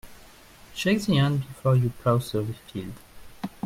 Shake the hand before you plough the field.